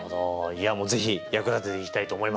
いやもう是非役立てていきたいと思います。